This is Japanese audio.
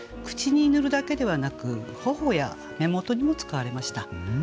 口に塗るだけではなく頬や目元にも使われました。